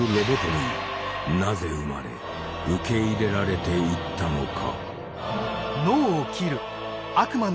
なぜ生まれ受け入れられていったのか？